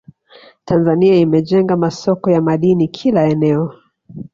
Tanzania imejenga masoko ya madini kila eneo